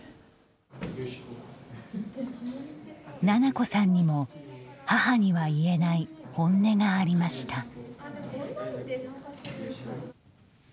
菜々子さんにも母には言えない本音がありました。